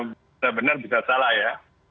benar benar bisa salah ya